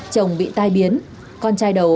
chồng bị tai biến con trai đầu